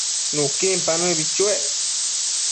Nuquin papa nëbi chuec